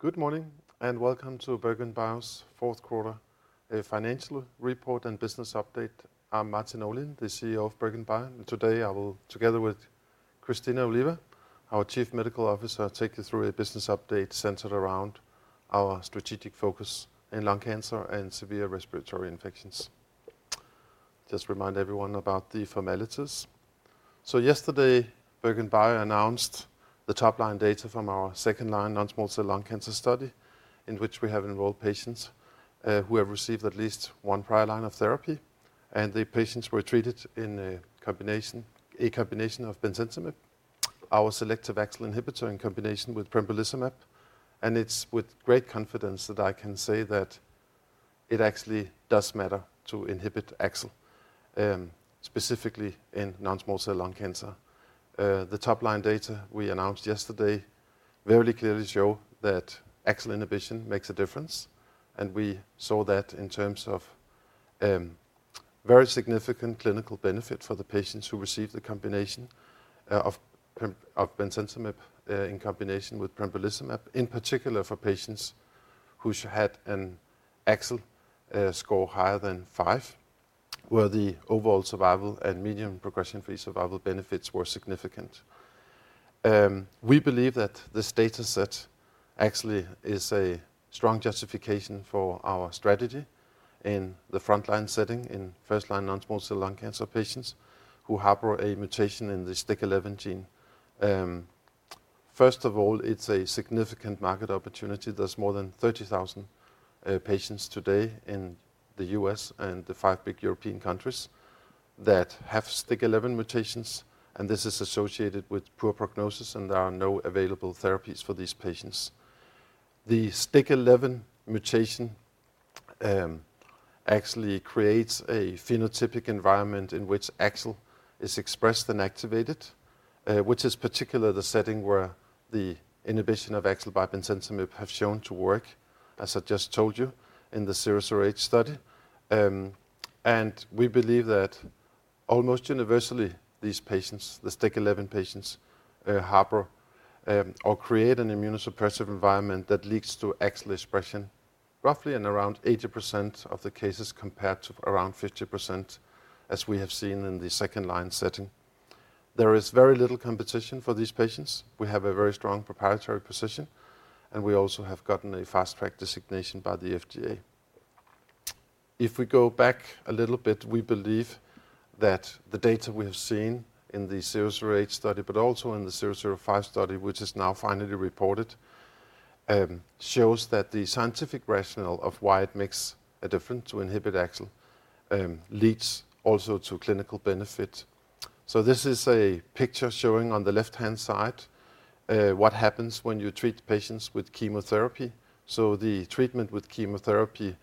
Good morning, and welcome to BerGenBio's Fourth Quarter Financial Report and Business update. I'm Martin Olin, the CEO of BerGenBio. Today I will, together with Cristina Oliva, our Chief Medical Officer, take you through a business update centered around our strategic focus in lung cancer and severe respiratory infections. Just remind everyone about the formalities. Yesterday, BerGenBio announced the top-line data from our second-line non-small cell lung cancer study, in which we have enrolled patients who have received at least one prior line of therapy, and the patients were treated in a combination of bemcentinib, our selective AXL inhibitor, in combination with pembrolizumab. It's with great confidence that I can say that it actually does matter to inhibit AXL specifically in non-small cell lung cancer. The top-line data we announced yesterday very clearly show that AXL inhibition makes a difference, and we saw that in terms of very significant clinical benefit for the patients who received the combination of bemcentinib in combination with pembrolizumab, in particular for patients who had an AXL score higher than five, where the overall survival and median progression-free survival benefits were significant. We believe that this data set actually is a strong justification for our strategy in the frontline setting, in first-line non-small cell lung cancer patients who harbor a mutation in the STK11 gene. First of all, it's a significant market opportunity. There's more than 30,000 patients today in the U.S. and the five big European countries that have STK11 mutations. This is associated with poor prognosis. There are no available therapies for these patients. The STK11 mutation, actually creates a phenotypic environment in which AXL is expressed and activated, which is particular the setting where the inhibition of AXL by bemcentinib have shown to work, as I just told you, in the 008 study. We believe that almost universally these patients, the STK11 patients, harbor or create an immunosuppressive environment that leads to AXL expression, roughly in around 80% of the cases, compared to around 50%, as we have seen in the second-line setting. There is very little competition for these patients. We have a very strong proprietary position, and we also have gotten a Fast Track designation by the FDA. If we go back a little bit, we believe that the data we have seen in the RAD-18-008 study, but also in the RAD-18-005 study, which is now finally reported, shows that the scientific rationale of why it makes a difference to inhibit AXL, leads also to clinical benefit. This is a picture showing on the left-hand side, what happens when you treat patients with chemotherapy. The treatment with chemotherapy,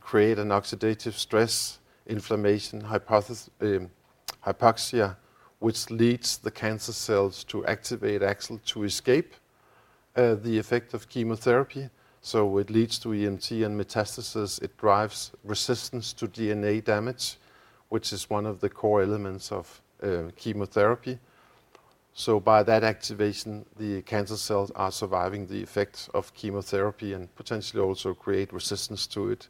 create an oxidative stress, inflammation, hypoxia, which leads the cancer cells to activate AXL to escape the effect of chemotherapy. It leads to EMT and metastasis. It drives resistance to DNA damage, which is one of the core elements of chemotherapy. By that activation, the cancer cells are surviving the effects of chemotherapy and potentially also create resistance to it.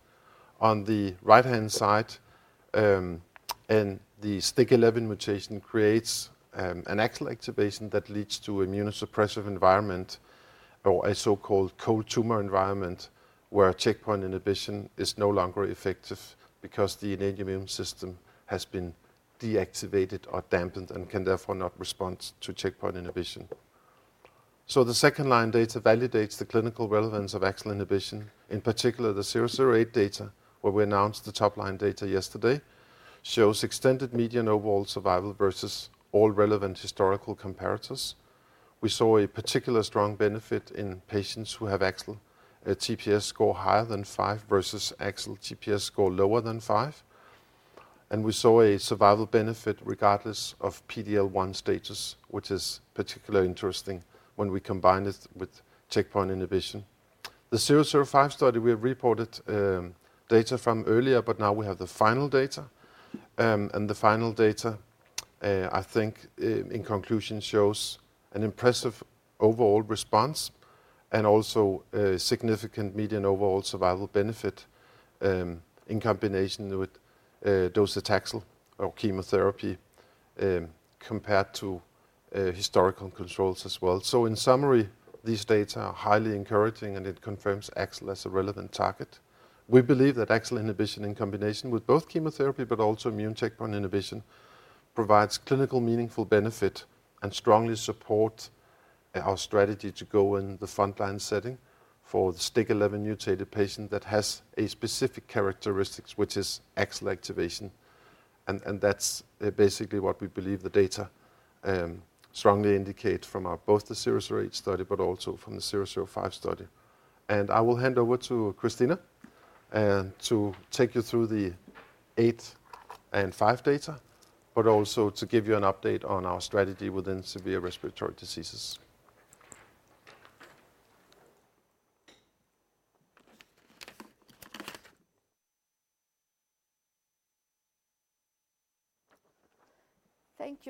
On the right-hand side, in the STK11 mutation creates an AXL activation that leads to immunosuppressive environment or a so-called cold tumor environment where checkpoint inhibition is no longer effective because the immune system has been deactivated or dampened and can therefore not respond to checkpoint inhibition. The second line data validates the clinical relevance of AXL inhibition. In particular, the RAD-18-008 data, where we announced the top-line data yesterday, shows extended median overall survival versus all relevant historical comparators. We saw a particular strong benefit in patients who have AXL TPS score higher than five versus AXL TPS score lower than five. We saw a survival benefit regardless of PD-L1 status, which is particularly interesting when we combine this with checkpoint inhibition. The RAD-18-005 study, we have reported data from earlier, but now we have the final data. The final data, I think in conclusion, shows an impressive overall response and also a significant median overall survival benefit, in combination with docetaxel or chemotherapy, compared to historical controls as well. In summary, these data are highly encouraging, and it confirms AXL as a relevant target. We believe that AXL inhibition in combination with both chemotherapy but also immune checkpoint inhibition provides clinical meaningful benefit and strongly support our strategy to go in the frontline setting for the STK11 mutated patient that has a specific characteristics, which is AXL activation. That's basically what we believe the data strongly indicate from both the 008 study but also from the 005 study. I will hand over to Cristina, to take you through the eight and five data but also to give you an update on our strategy within severe respiratory diseases.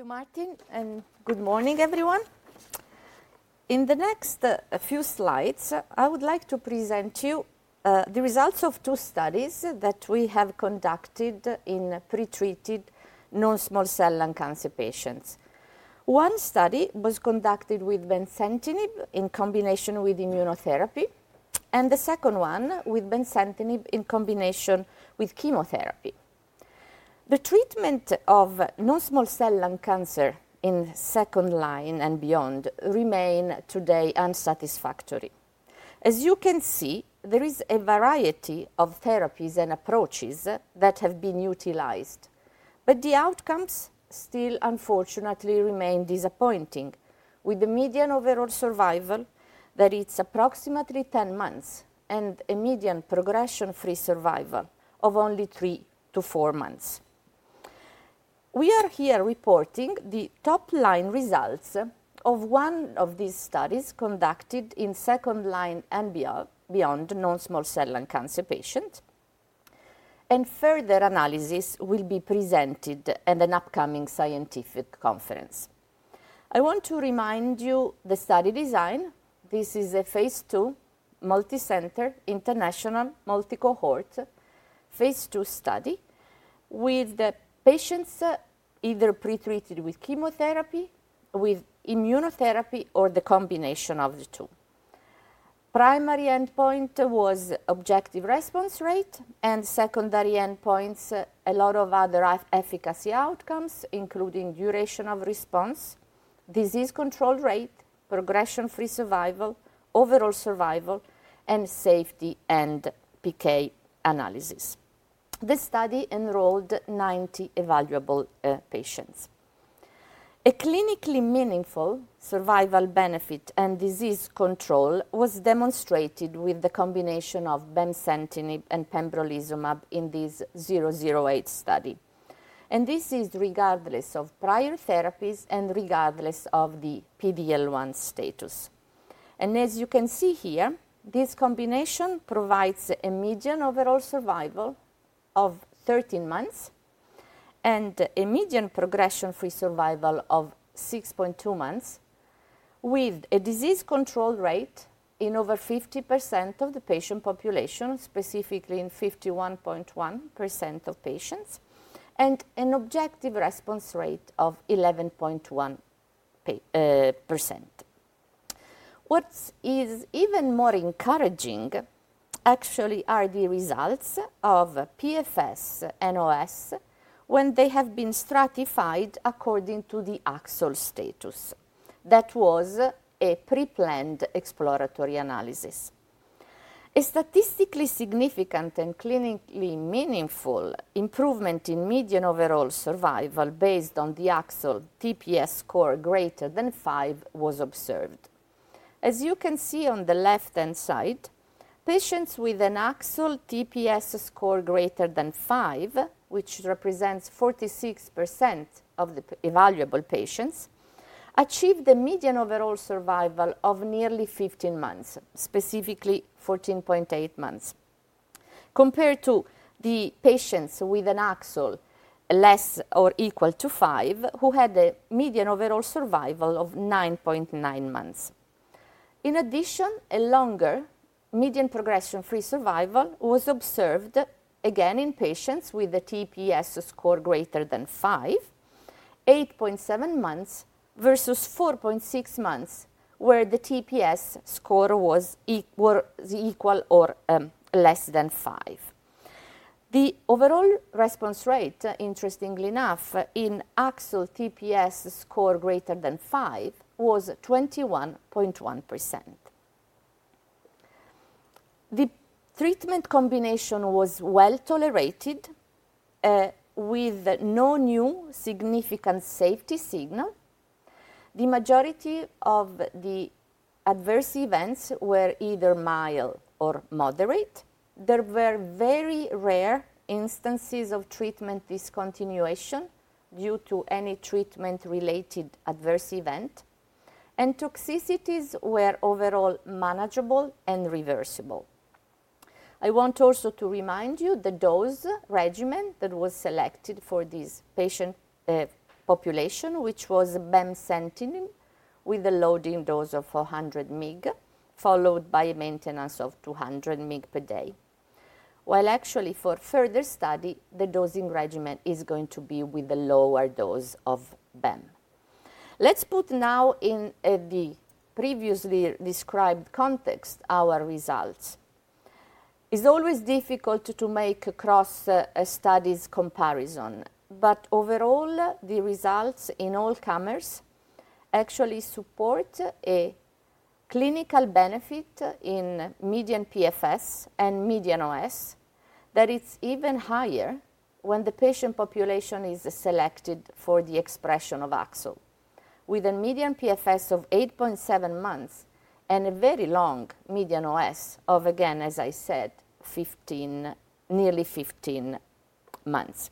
Thank you, Martin. Good morning everyone. In the next few slides, I would like to present you the results of two studies that we have conducted in pretreated non-small cell lung cancer patients. One study was conducted with bemcentinib in combination with immunotherapy, and the second one with bemcentinib in combination with chemotherapy. The treatment of non-small cell lung cancer in second line and beyond remain today unsatisfactory. As you can see, there is a variety of therapies and approaches that have been utilized. The outcomes still, unfortunately, remain disappointing with the median overall survival that it's approximately 10 months, and a median progression-free survival of only three to four months. We are here reporting the top line results of one of these studies conducted in second line and beyond non-small cell lung cancer patient. Further analysis will be presented at an upcoming scientific conference. I want to remind you the study design. This is a phase II, multicenter, international, multi-cohort, phase II study with the patients either pretreated with chemotherapy, with immunotherapy, or the combination of the two. Primary endpoint was objective response rate, secondary endpoints, a lot of other efficacy outcomes, including duration of response, disease control rate, progression-free survival, overall survival, and safety and PK analysis. The study enrolled 90 evaluable patients. A clinically meaningful survival benefit and disease control was demonstrated with the combination of bemcentinib and pembrolizumab in this RAD-18-008 study. This is regardless of prior therapies and regardless of the PD-L1 status. As you can see here, this combination provides a median overall survival of 13 months and a median progression-free survival of 6.2 months with a disease control rate in over 50% of the patient population, specifically in 51.1% of patients, and an objective response rate of 11.1%. What's is even more encouraging actually are the results of PFS and OS when they have been stratified according to the AXL status. That was a preplanned exploratory analysis. A statistically significant and clinically meaningful improvement in median overall survival based on the AXL TPS score greater than five was observed. As you can see on the left-hand side, patients with an AXL TPS score greater than five, which represents 46% of the evaluable patients, achieved a median overall survival of nearly 15 months, specifically 14.8 months, compared to the patients with an AXL less or equal to five, who had a median overall survival of 9.9 months. A longer median progression-free survival was observed again in patients with a TPS score greater than five, 8.7 months versus 4.6 months, where the TPS score were equal or less than five. The overall response rate, interestingly enough, in AXL TPS score greater than five was 21.1%. The treatment combination was well-tolerated, with no new significant safety signal. The majority of the adverse events were either mild or moderate. There were very rare instances of treatment discontinuation due to any treatment-related adverse event, and toxicities were overall manageable and reversible. I want also to remind you the dose regimen that was selected for this patient population, which was bemcentinib with a loading dose of 400 mg, followed by a maintenance of 200 mg per day. While actually for further study, the dosing regimen is going to be with a lower dose of ben. Let's put now in the previously described context our results. It's always difficult to make a cross-studies comparison. Overall, the results in all comers actually support a clinical benefit in median PFS and median OS that is even higher when the patient population is selected for the expression of AXL, with a median PFS of 8.7 months and a very long median OS of, again, as I said, nearly 15 months.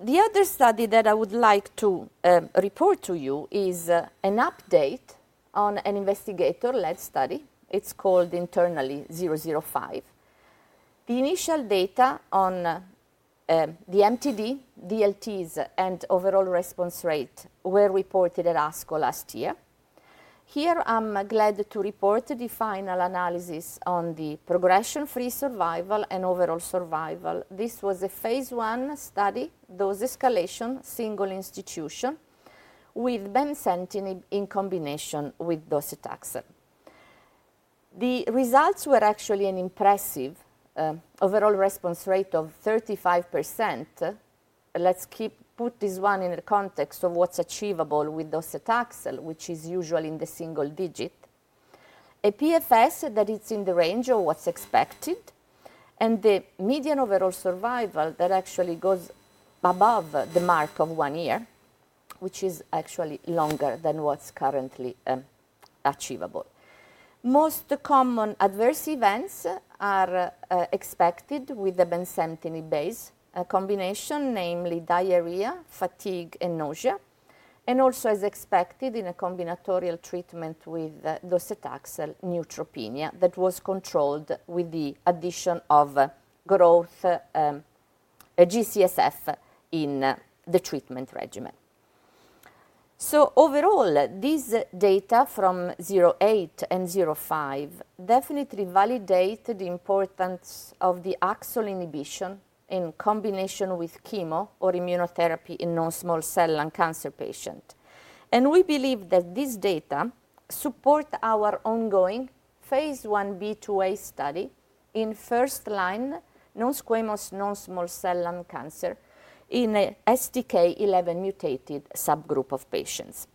The other study that I would like to report to you is an update on an investigator-led study. It's called RAD-18-005. The initial data on the MTD, DLTs, and overall response rate were reported at ASCO last year. Here, I'm glad to report the final analysis on the progression-free survival and overall survival. This was a phase I study, dose escalation, single institution, with bemcentinib in combination with docetaxel. The results were actually an impressive overall response rate of 35%. Let's put this one in the context of what's achievable with docetaxel, which is usually in the single digit. A PFS that is in the range of what's expected, and the median overall survival that actually goes above the mark of one year, which is actually longer than what's currently achievable. Most common adverse events are expected with the bemcentinib base combination, namely diarrhea, fatigue, and nausea, and also as expected in a combinatorial treatment with docetaxel neutropenia that was controlled with the addition of growth G-CSF in the treatment regimen. Overall, this data from 08 and 05 definitely validate the importance of the AXL inhibition in combination with chemo or immunotherapy in non-small cell lung cancer patient. We believe that this data support our ongoing Phase I-B/II-A study in first-line non-squamous non-small cell lung cancer in a STK11-mutated subgroup of patients.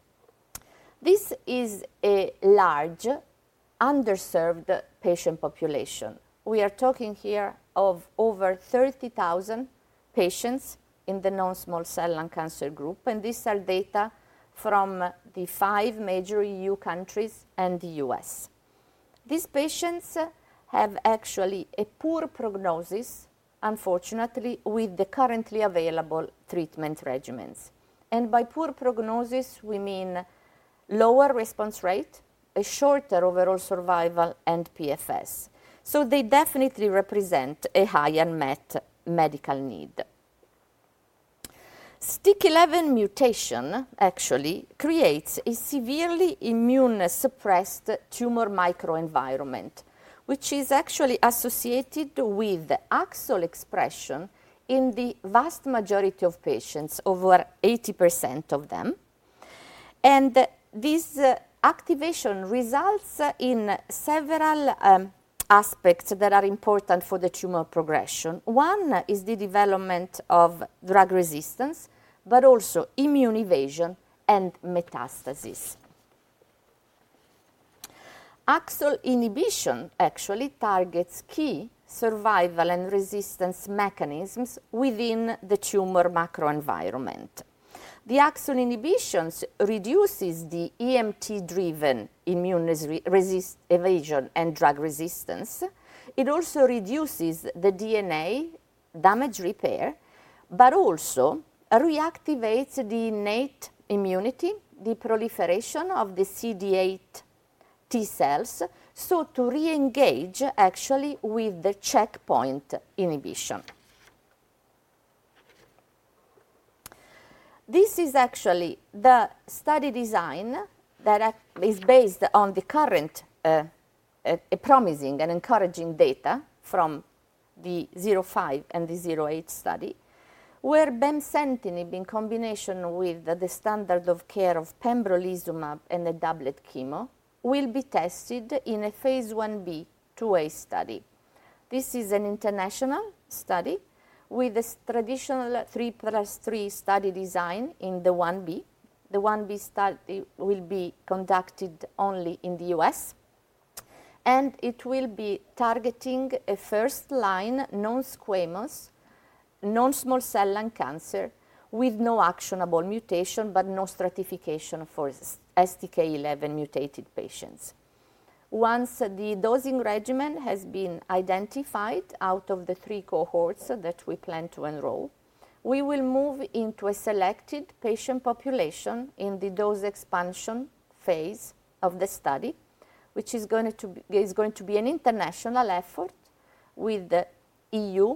This is a large underserved patient population. We are talking here of over 30,000 patients in the non-small cell lung cancer group, and these are data from the five major EU countries and the U.S. These patients have actually a poor prognosis, unfortunately, with the currently available treatment regimens. By poor prognosis, we mean lower response rate, a shorter overall survival, and PFS. They definitely represent a high unmet medical need. STK11 mutation actually creates a severely immune-suppressed tumor microenvironment, which is actually associated with AXL expression in the vast majority of patients, over 80% of them. This activation results in several aspects that are important for the tumor progression. One is the development of drug resistance, but also immune evasion and metastasis. AXL inhibition actually targets key survival and resistance mechanisms within the tumor macro environment. The AXL inhibitions reduces the EMT-driven immune resistance evasion and drug resistance. It also reduces the DNA damage repair, but also reactivates the innate immunity, the proliferation of the CD8 T cells, so to reengage actually with the checkpoint inhibition. This is actually the study design that is based on the current promising and encouraging data from the 05 and the 08 study, where bemcentinib in combination with the standard of care of pembrolizumab and a doublet chemo will be tested in a Phase I-B/II-A study. This is an international study with a traditional 3+3 study design in the I-B. The phase I-B study will be conducted only in the U.S. It will be targeting a first-line non-squamous non-small cell lung cancer with no actionable mutation, no stratification for STK11-mutated patients. Once the dosing regimen has been identified out of the three cohorts that we plan to enroll, we will move into a selected patient population in the dose expansion phase of the study, which is going to be an international effort with the EU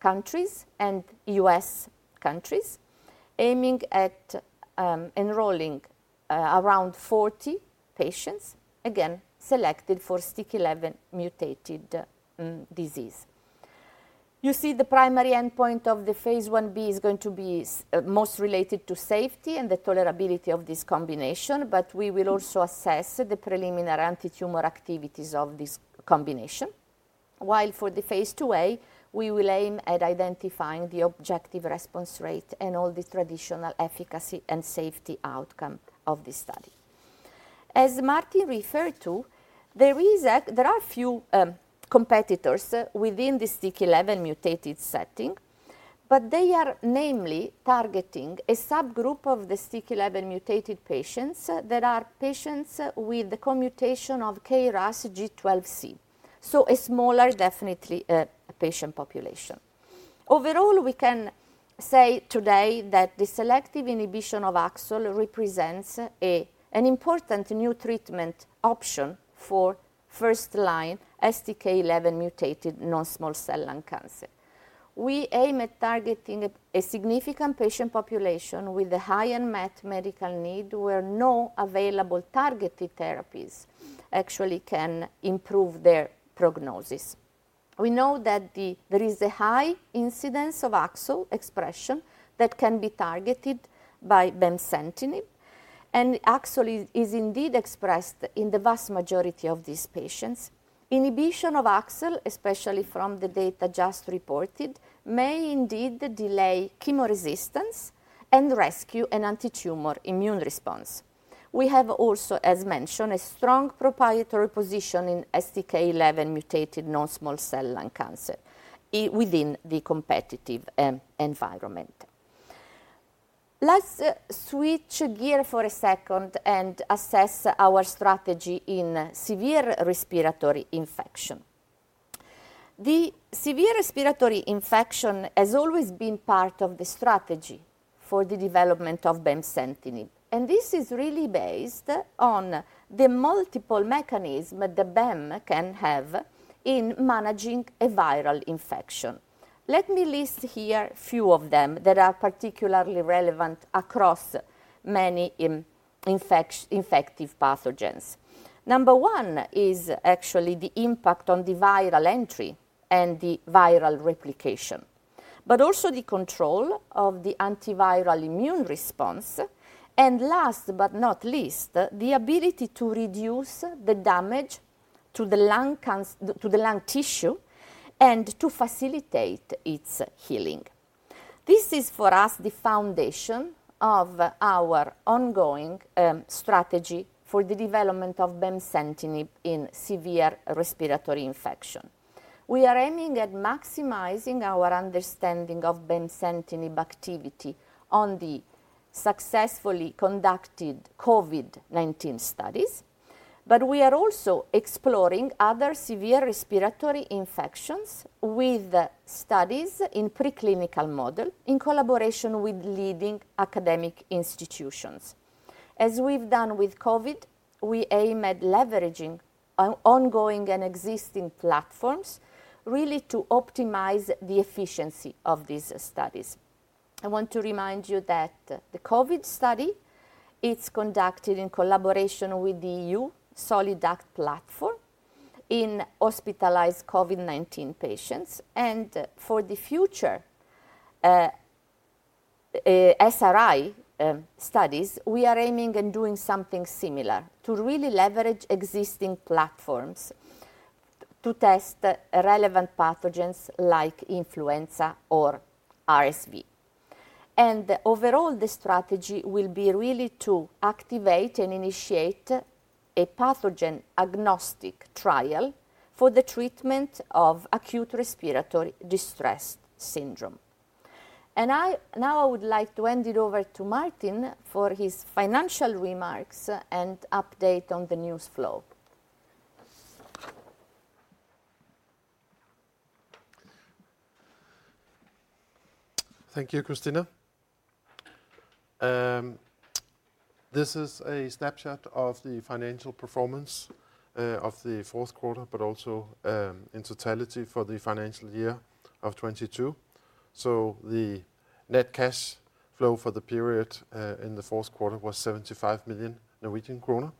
countries and U.S. countries aiming at enrolling around 40 patients, again, selected for STK11-mutated disease. You see the primary endpoint of the phase 1b is going to be most related to safety and the tolerability of this combination. We will also assess the preliminary antitumor activities of this combination. For the phase II-A, we will aim at identifying the objective response rate and all the traditional efficacy and safety outcome of this study. As Martin referred to, there are few competitors within the STK11-mutated setting. They are namely targeting a subgroup of the STK11-mutated patients that are patients with the co-mutation of KRAS G12C. A smaller definitely patient population. We can say today that the selective inhibition of AXL represents an important new treatment option for first-line STK11-mutated non-small cell lung cancer. We aim at targeting a significant patient population with a high unmet medical need where no available targeted therapies actually can improve their prognosis. We know that there is a high incidence of AXL expression that can be targeted by bemcentinib, and AXL is indeed expressed in the vast majority of these patients. Inhibition of AXL, especially from the data just reported, may indeed delay chemoresistance and rescue an antitumor immune response. We have also, as mentioned, a strong proprietary position in STK11 mutated non-small cell lung cancer within the competitive environment. Let's switch gear for a second and assess our strategy in severe respiratory infection. The severe respiratory infection has always been part of the strategy for the development of bemcentinib, and this is really based on the multiple mechanism that bem can have in managing a viral infection. Let me list here a few of them that are particularly relevant across many infective pathogens. Number one is actually the impact on the viral entry and the viral replication, but also the control of the antiviral immune response, and last but not least, the ability to reduce the damage to the lung tissue and to facilitate its healing. This is for us the foundation of our ongoing strategy for the development of bemcentinib in severe respiratory infection. We are aiming at maximizing our understanding of bemcentinib activity on the successfully conducted COVID-19 studies, but we are also exploring other severe respiratory infections with studies in preclinical model in collaboration with leading academic institutions. As we've done with COVID, we aim at leveraging on ongoing and existing platforms really to optimize the efficiency of these studies. I want to remind you that the COVID study is conducted in collaboration with the EU-SolidAct platform in hospitalized COVID-19 patients. For the future, SRI studies, we are aiming and doing something similar to really leverage existing platforms to test relevant pathogens like influenza or RSV. Overall, the strategy will be really to activate and initiate a pathogen-agnostic trial for the treatment of Acute Respiratory Distress Syndrome. Now I would like to hand it over to Martin for his financial remarks and update on the news flow. Thank you, Cristina. This is a snapshot of the financial performance of the fourth quarter but also in totality for the financial year of 2022. The net cash flow for the period in the fourth quarter was 75 million Norwegian kroner,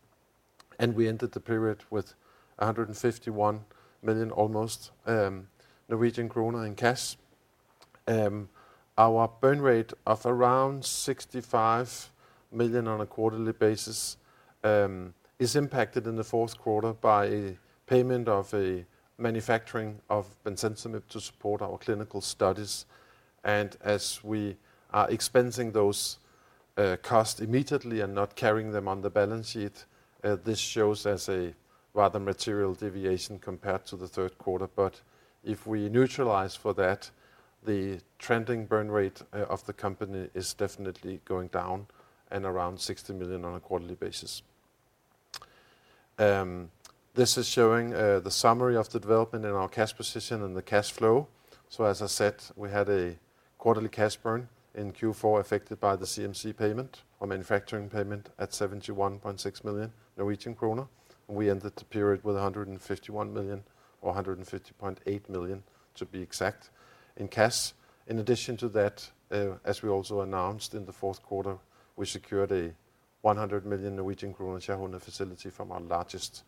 and we ended the period with 151 million almost in cash. Our burn rate of around 65 million on a quarterly basis is impacted in the fourth quarter by payment of a manufacturing of bemcentinib to support our clinical studies. As we are expensing those costs immediately and not carrying them on the balance sheet, this shows as a rather material deviation compared to the third quarter. If we neutralize for that, the trending burn rate of the company is definitely going down and around 60 million on a quarterly basis. This is showing the summary of the development in our cash position and the cash flow. As I said, we had a quarterly cash burn in Q4 affected by the CMC payment or manufacturing payment at 71.6 million Norwegian kroner. We ended the period with 151 million or 150.8 million to be exact in cash. In addition to that, as we also announced in the fourth quarter, we secured a 100 million shareholder facility from our largest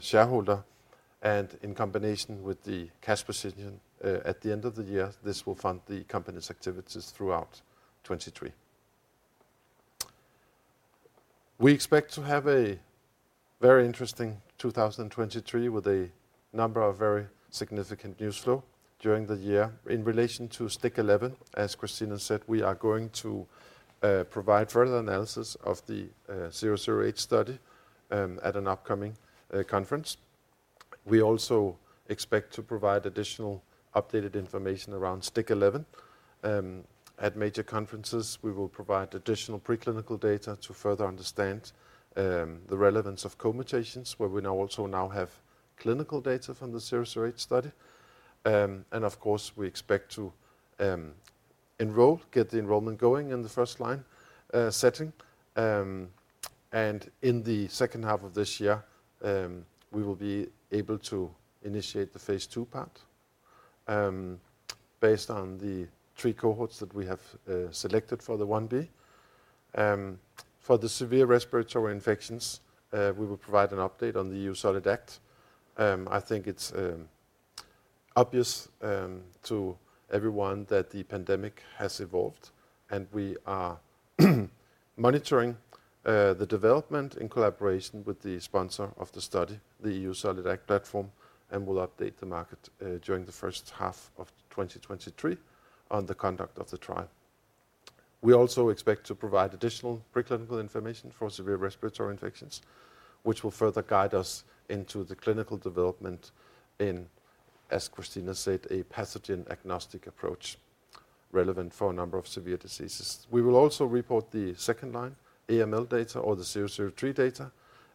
shareholder. In combination with the cash position at the end of the year, this will fund the company's activities throughout 2023. We expect to have a very interesting 2023 with a number of very significant news flow during the year. In relation to STK11, as Cristina said, we are going to provide further analysis of the RAD-18-008 study at an upcoming conference. We also expect to provide additional updated information around STK11. At major conferences, we will provide additional preclinical data to further understand the relevance of co-mutations, where we now have clinical data from the 008 study. Of course, we expect to get the enrollment going in the first-line setting. In the second half of this year, we will be able to initiate the phase II part based on the three cohorts that we have selected for the I-B. For the severe respiratory infections, we will provide an update on the EU-SolidAct. I think it's obvious to everyone that the pandemic has evolved, and we are monitoring the development in collaboration with the sponsor of the study, the EU-SolidAct platform, and we'll update the market during the first half of 2023 on the conduct of the trial. We also expect to provide additional preclinical information for severe respiratory infections, which will further guide us into the clinical development in, as Cristina said, a pathogen-agnostic approach relevant for a number of severe diseases. We will also report the second line AML data or the 003 data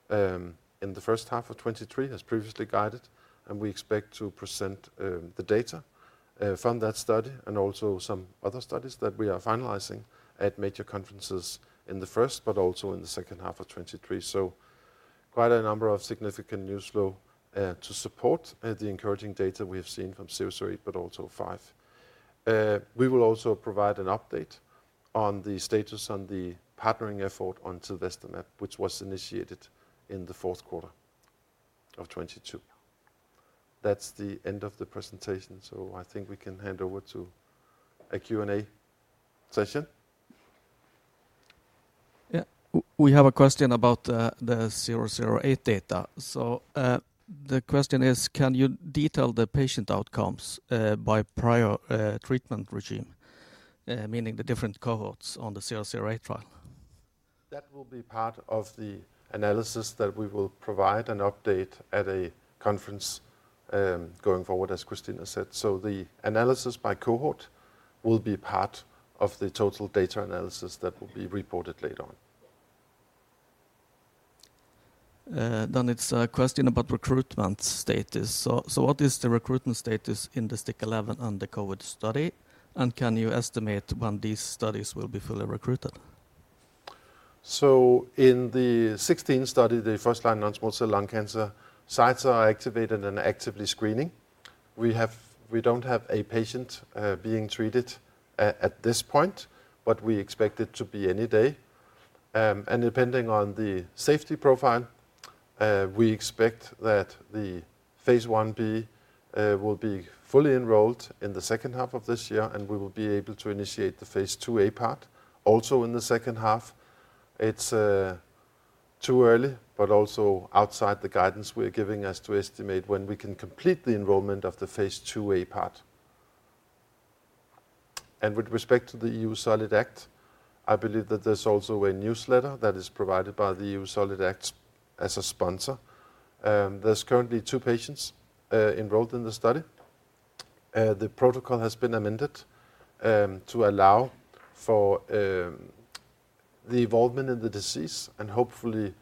in the first half of 2023 as previously guided, and we expect to present the data from that study and also some other studies that we are finalizing at major conferences in the first but also in the second half of 2023. Quite a number of significant news flow to support the encouraging data we have seen from 008 but also five. We will also provide an update on the status on the partnering effort on tilvestamab, which was initiated in the fourth quarter of 2022. That's the end of the presentation, so I think we can hand over to a Q&A session. Yeah. We have a question about the 008 data. The question is, can you detail the patient outcomes by prior treatment regime, meaning the different cohorts on the 008 trial? That will be part of the analysis that we will provide an update at a conference, going forward, as Cristina said. The analysis by cohort will be part of the total data analysis that will be reported later on. It's a question about recruitment status. What is the recruitment status in the STIC-11 and the COVID study, and can you estimate when these studies will be fully recruited? In the STIC‑11 study, the first-line non-small cell lung cancer sites are activated and actively screening. We don't have a patient being treated at this point, but we expect it to be any day. Depending on the safety profile, we expect that the phase I-B will be fully enrolled in the second half of this year, and we will be able to initiate the phase II-A part also in the second half. It's too early but also outside the guidance we're giving as to estimate when we can complete the enrollment of the phase II-A part. With respect to the EU-SolidAct, I believe that there's also a newsletter that is provided by the EU-SolidAct as a sponsor. There's currently two patients enrolled in the study. The protocol has been amended to allow for the involvement in the disease and hopefully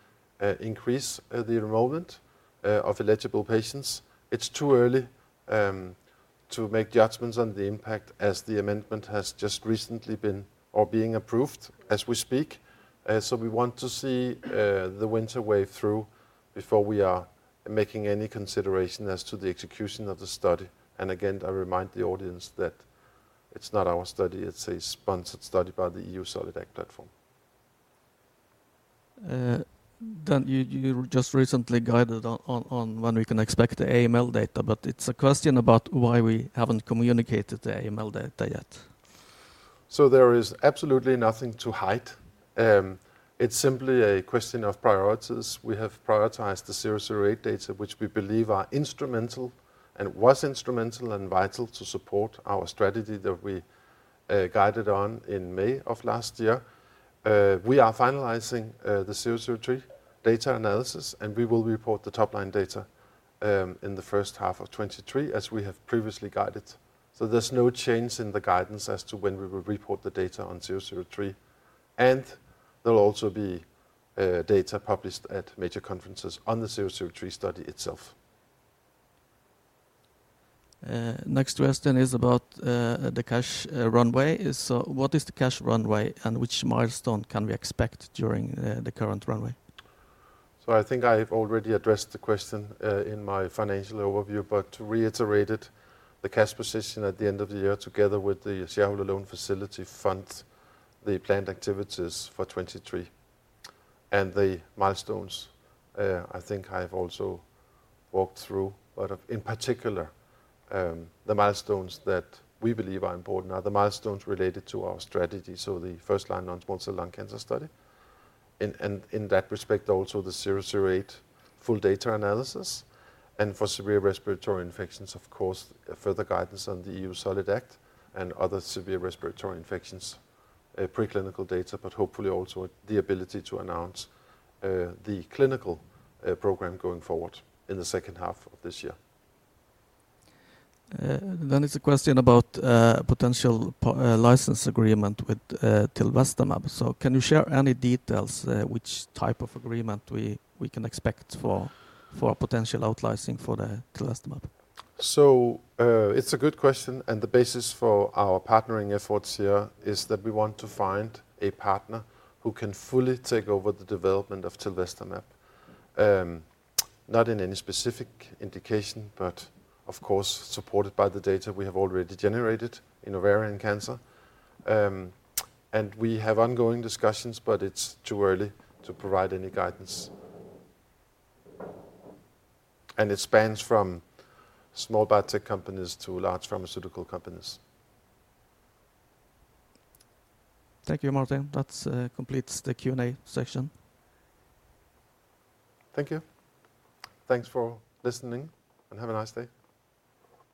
increase the enrollment of eligible patients. It's too early to make judgments on the impact as the amendment has just recently been or being approved as we speak. We want to see the winter wave through before we are making any consideration as to the execution of the study. Again, I remind the audience that it's not our study. It's a sponsored study by the EU-SolidAct platform. You just recently guided on when we can expect the AML data, but it's a question about why we haven't communicated the AML data yet. There is absolutely nothing to hide. It's simply a question of priorities. We have prioritized the RAD-18-008 data, which we believe are instrumental and was instrumental and vital to support our strategy that we guided on in May of last year. We are finalizing the RAD-18-003 data analysis, and we will report the top-line data in the first half of 2023, as we have previously guided. There's no change in the guidance as to when we will report the data on RAD-18-003, and there'll also be data published at major conferences on the RAD-18-003 study itself. Next question is about the cash runway. What is the cash runway, and which milestone can we expect during the current runway? I think I've already addressed the question in my financial overview. To reiterate it, the cash position at the end of the year together with the Seattle loan facility funds, the planned activities for 2023. The milestones, I think I've also walked through. In particular, the milestones that we believe are important are the milestones related to our strategy. The first line non-small cell lung cancer study. In that respect also the 008 full data analysis. For severe respiratory infections, of course, further guidance on the EU-SolidAct and other severe respiratory infections, preclinical data, but hopefully also the ability to announce the clinical program going forward in the second half of this year. It's a question about potential license agreement with tilvestamab. Can you share any details, which type of agreement we can expect for a potential out licensing for the tilvestamab? It's a good question, and the basis for our partnering efforts here is that we want to find a partner who can fully take over the development of tilvestamab. Not in any specific indication, but of course, supported by the data we have already generated in ovarian cancer. We have ongoing discussions, but it's too early to provide any guidance. It spans from small biotech companies to large pharmaceutical companies. Thank you, Martin. That's, completes the Q&A session. Thank you. Thanks for listening, and have a nice day.